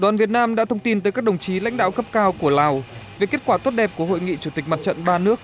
đoàn việt nam đã thông tin tới các đồng chí lãnh đạo cấp cao của lào về kết quả tốt đẹp của hội nghị chủ tịch mặt trận ba nước